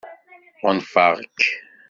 Ɣunfaɣ-k.